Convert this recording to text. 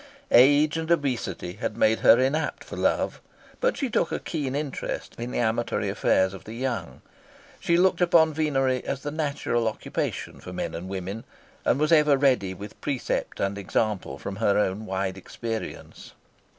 Age and obesity had made her inapt for love, but she took a keen interest in the amatory affairs of the young. She looked upon venery as the natural occupation for men and women, and was ever ready with precept and example from her own wide experience.